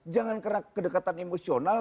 jangan kena kedekatan emosional